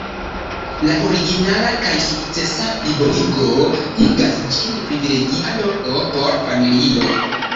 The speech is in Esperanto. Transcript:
La originala kaj sukcesa plibonigo igas ĝin privilegia loko por familioj.